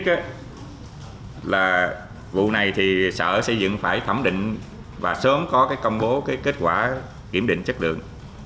công ty này ký hợp đồng với công ty dịch vụ địa ốc sài gòn